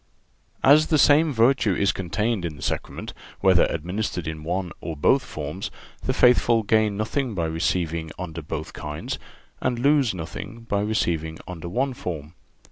(382) As the same virtue is contained in the Sacrament, whether administered in one or both forms, the faithful gain nothing by receiving under both kinds, and lose nothing by receiving under one form.